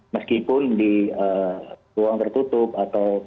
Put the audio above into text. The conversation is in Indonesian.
meskipun di ruang tertutup atau